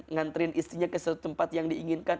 ngantriin istrinya ke suatu tempat yang diinginkan